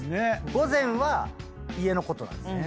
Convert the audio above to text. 午前は家のことなんです。